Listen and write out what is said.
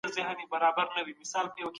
سیاست د ټولنې لپاره ډېر کار کړی وو.